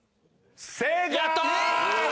正解！